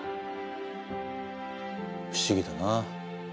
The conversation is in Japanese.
不思議だな。